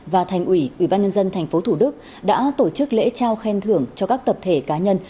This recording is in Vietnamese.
và thành ủy ủy ban nhân dân tp thủ đức đã tổ chức lễ trao khen thưởng cho các tập thể cá nhân